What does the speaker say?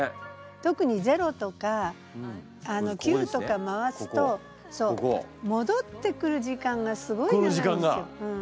特に０とか９とか回すともどってくる時間がすごい長いんですよ。